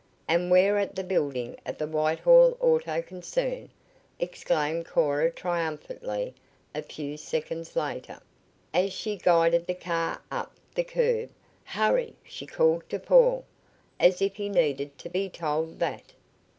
"And we're at the building of the Whitehall auto concern!" exclaimed Cora triumphantly a few seconds later, as she guided the car up to the curb. "Hurry!" she called to Paul. As if he needed to be told that!